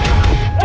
ya ampun ya ampun